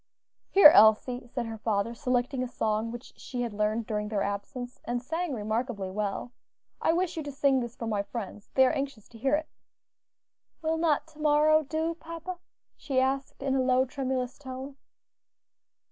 "Here, Elsie," said her father, selecting a song which she had learned during their absence, and sang remarkably well, "I wish you to sing this for my friends; they are anxious to hear it." "Will not to morrow do, papa?" she asked in a low, tremulous tone.